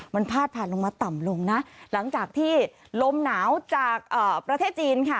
มันพาดผ่านลงมาต่ำลงนะหลังจากที่ลมหนาวจากประเทศจีนค่ะ